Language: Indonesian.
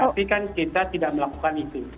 tapi kan kita tidak melakukan itu